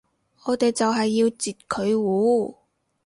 我哋就係要截佢糊